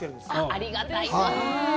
ありがたいねぇ。